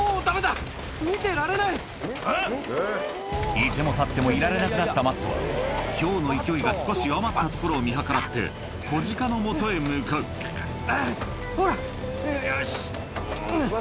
居ても立ってもいられなくなったマットはひょうの勢いが少し弱まったところを見計らって子鹿のもとへ向かううぅほらよしん！